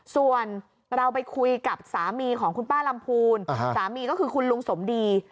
ส่วนเราไปคุยกับสามีของคุณป้าลำพูนสามีก็คือคุณลุงสมดี